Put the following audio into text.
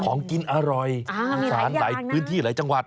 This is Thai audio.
ของกินอร่อยพื้นที่หลายจังหวัด